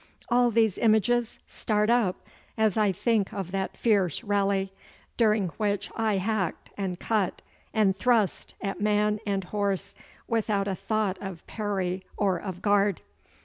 All these images start up as I think of that fierce rally, during which I hacked and cut and thrust at man and horse without a thought of parry or of guard.